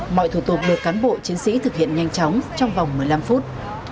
mọi thủ tục được cán bộ chiến sĩ thực hiện nhanh chóng trong vòng một mươi năm phút